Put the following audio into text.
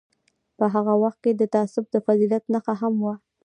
په هغه وخت کې تعصب د فضیلت نښه هم وه.